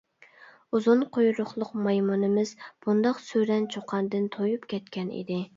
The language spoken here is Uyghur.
ئۇزۇن قۇيرۇقلۇق مايمۇنىمىز بۇنداق سۈرەن-چۇقاندىن تويۇپ كەتكەن ئىدى.